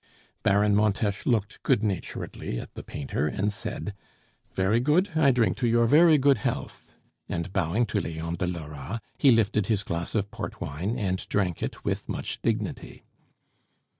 Baron Montes looked good naturedly at the painter, and said: "Very good! I drink to your very good health," and bowing to Leon de Lora, he lifted his glass of port wine and drank it with much dignity.